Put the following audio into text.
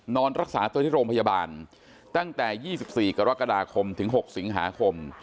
นอนรักษาตัวที่โรงพยาบาลตั้งแต่๒๔กรกฎาคมถึง๖สิงหาคม